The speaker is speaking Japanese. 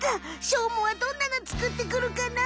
しょうまはどんなのつくってくるかな？